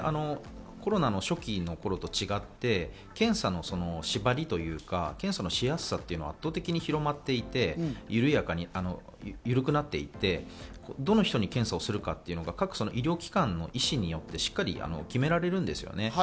コロナの初期の頃と違って検査の縛りというか、検査のしやすさというのは圧倒的に広まっていって緩やかに緩くなっていて、どの人に検査するかというのが各医療機関の医師によってしっかり決められるんですよね。